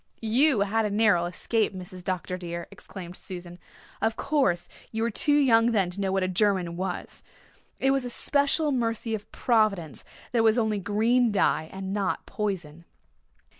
"You had a narrow escape, Mrs. Dr. dear," exclaimed Susan. "Of course you were too young then to know what a German was. It was a special mercy of Providence that it was only green dye and not poison."